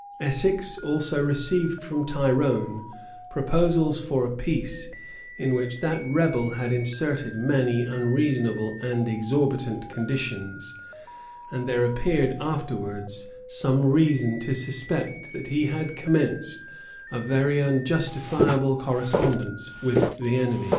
[] Essex also received from Tyrone proposals for a peace, in which that rebel had inserted many unreasonable and exorbitant conditions: and there appeared afterwards some reason to suspect that he had here commenced a very unjustifiable correspondence with the enemy.